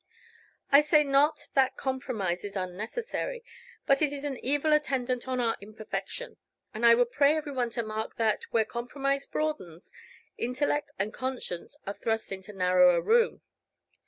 I say not that compromise is unnecessary, but it is an evil attendant on our imperfection; and I would pray every one to mark that, where compromise broadens, intellect and conscience are thrust into narrower room.